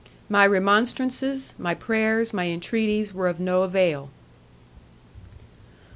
My remonstrances, my prayers, my entreaties were of no avail.